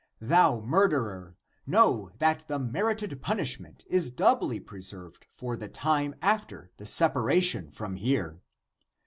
Thou murderer, know that the mer ited punishment is doubly preserved for the time after the separation from here!